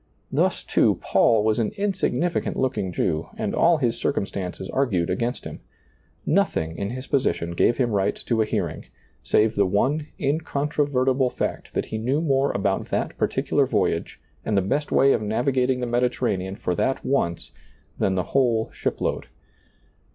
Thus, too, Paul was an insignificant looking Jew and all his circumstances argued against him ; nothing in his position gave him right to a hearing, save the one incontrovertible fact that he knew more about that particular voyage, and the ^lailizccbvGoOgle PAUL ABOARD 105 best way of navigating the Mediterranean for that once, than the whole shipload.